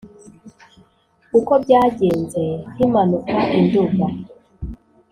Uko byagenze nkimanuka i Nduga